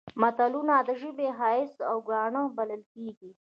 متلونه د ژبې ښایست او ګاڼه بلل کېږي